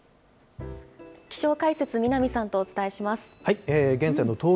気象解説、南さんとお伝えします。